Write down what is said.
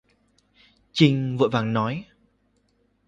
Trinh vội vàng nói